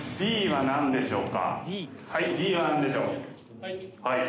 Ｄは何でしょう？